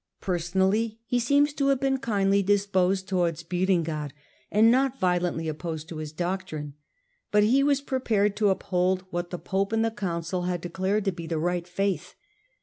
Personally he seems to have been kindly disposed towards Berengar, and not violently opposed to his doctrine ; but he was prepared to uphold what the pope and the council had declared to be the right faith.